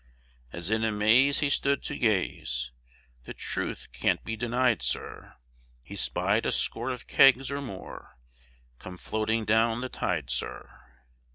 As in a maze he stood to gaze (The truth can't be deny'd, Sir), He spy'd a score of kegs, or more, Come floating down the tide, Sir.